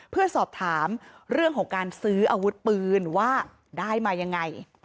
เพื่อสอบถามเรื่องของการซื้ออาวุธปืนว่าได้มายังไง